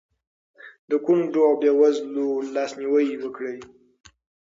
د کونډو او بېوزلو لاسنیوی وکړئ.